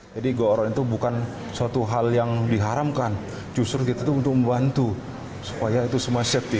jadi go around itu bukan suatu hal yang diharamkan justru kita itu untuk membantu supaya itu semua safety